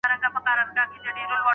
آیا الوتکې سرعت تر موټر سرعت ډېر دی؟